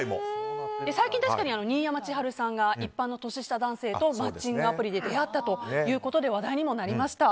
最近確かに新山千春さんが一般の年下男性とマッチングアプリで出会ったということで話題にもなりました。